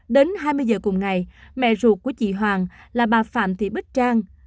đến hai mươi giờ cùng ngày mẹ ruột của chị hoàng là bà phạm thị bích trang